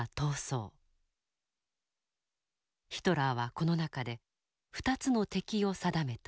ヒトラーはこの中で２つの敵を定めた。